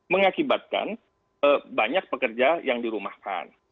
mengakibatkan banyak pekerja yang dirumahkan